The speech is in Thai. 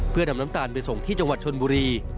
เพื่อนำน้ำตาลไปส่งที่จังหวัดชนบุรี